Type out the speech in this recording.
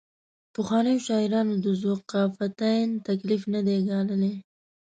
پخوانیو شاعرانو د ذوقافیتین تکلیف نه دی ګاللی.